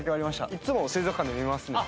いつも水族館で見ますので。